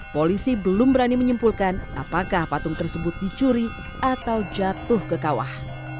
polisi belum berani menyimpulkan apakah patung tersebut dicuri atau jatuh ke kawah